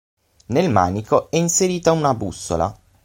Nel manico è inserita una bussola.